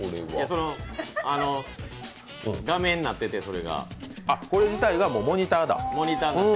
あの画面になっててそれがこれ自体がモニターだ。